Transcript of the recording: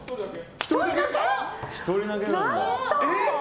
１人だけなんだ。